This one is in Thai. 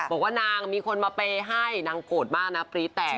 บอกว่านางมีคนมาเปย์ให้นางโกรธมากนะปรี๊แตก